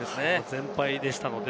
全敗でしたので。